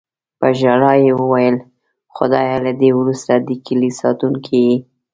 په ژړا یې وویل: "خدایه، له دې وروسته د کیلي ساتونکی یې".